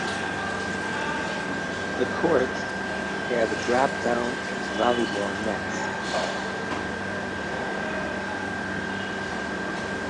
The courts have drop-down volleyball nets.